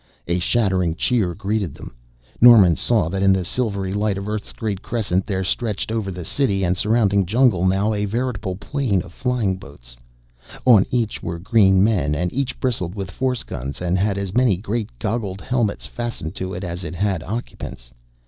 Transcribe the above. A shattering cheer greeted them. Norman saw that in the silvery light of Earth's great crescent there stretched over the city and surrounding jungle now a veritable plain of flying boats. On each were green men and each bristled with force guns, and had as many great goggled helmets fastened to it as it had occupants.